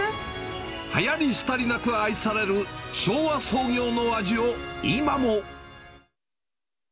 はやりすたりなく愛される昭和創業の味を今も。